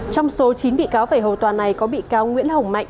trong số chín bị cáo về hầu tòa này có bị cáo nguyễn hồng mạnh